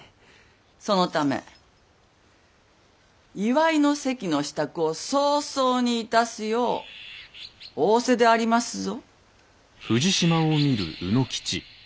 そのため祝いの席の支度を早々にいたすよう仰せでありますぞ。